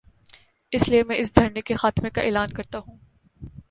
اس لیے میں اس دھرنے کے خاتمے کا اعلان کر تا ہوں۔